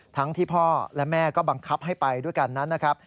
ทั้งที่พ่อและแม่ก็บังคับให้ไปด้วยกันนั้นนะครับ